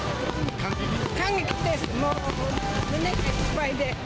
感激して、もう胸がいっぱいで。